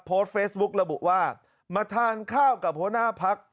โพสต์เฟซบุ๊กระบุว่ามาทานข้าวกับหัวหน้าพัก